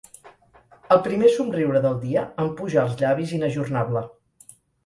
El primer somriure del dia em puja als llavis inajornable.